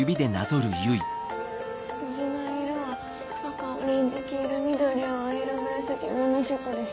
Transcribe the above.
虹の色は赤オレンジ黄色緑青藍色紫の７色です。